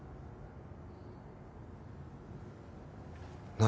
何？